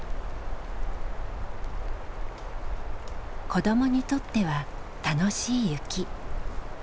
子どもにとっては楽しい雪。